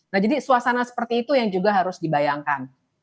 nah jadi suasana seperti itu yang juga harus dibayangkan